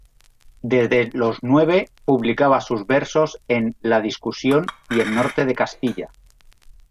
Desde los nueve publicaba sus versos en "La Discusión" y "El Norte de Castilla".